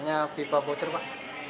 api pabocer pak